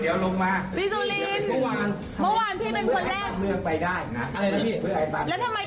เดี๋ยวลงมาพี่เป็นท่วงวานเพื่อนไอ้บ้านเมืองไปได้นะผมไม่รัก